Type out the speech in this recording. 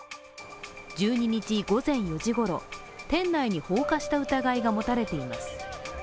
１２日午前４時ごろ、店内に放火した疑いが持たれています。